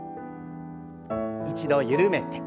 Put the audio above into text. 一度緩めて。